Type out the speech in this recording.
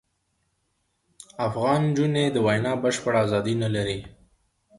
افغان نجوني د وینا بشپړه ازادي نه لري.